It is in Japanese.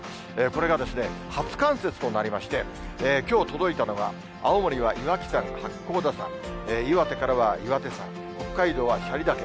これが、初冠雪となりまして、きょう届いたのが、青森は岩木山、八甲田山、岩手からは岩手山、北海道は斜里岳。